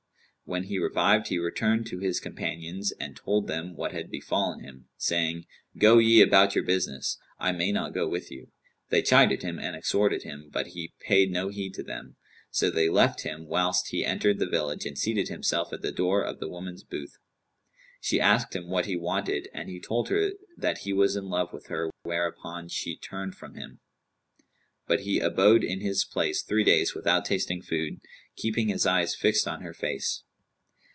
When he revived, he returned to his companions and told them what had befallen him, saying, 'Go ye about your business; I may not go with you.' They chided him and exhorted him, but he paid no heed to them; so they left him whilst he entered the village and seated himself at the door of the woman's booth.[FN#207] She asked him what he wanted, and he told her that he was in love with her whereupon she turned from him; but he abode in his place three days without tasting food, keeping his eyes fixed on her face.